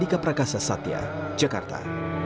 di keprakasa satya jakarta